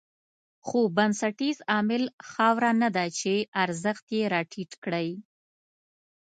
خو بنسټیز عامل خاوره نه ده چې ارزښت یې راټيټ کړی.